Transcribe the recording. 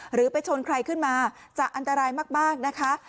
หรือไปชนใครขึ้นมาจะอันตรายมากนะคะ